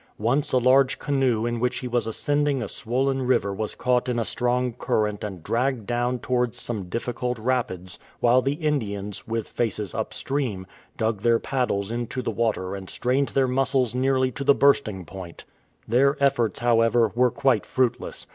Once a large canoe in which he was ascending a swollen river was caught in a strong current and dragged down towards some difficult rapids, while the Indians, with faces upstream, dug their paddles into the water and strained their muscles nearly to the bursting 194 THE SEA ICE point. Their efforts, however, were quite fruitless.